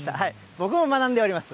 僕も学んでおります。